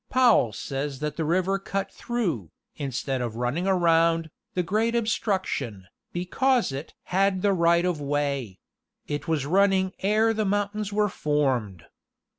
Powell says that the river cut through, instead of running around, the great ob struction, because it "had the right of way; .. it was running ere the mountains were formed."